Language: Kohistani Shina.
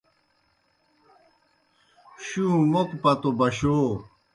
شُوں موکوْ پتو بشَو۔